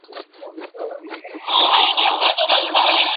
Se acaba este último con cupulín y linterna.